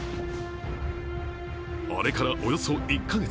あれからおよそ１か月。